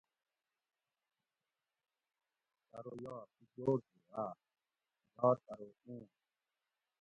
ارو یار تُو جوڑ ہُو آۤ ؟ یار ارو اُوں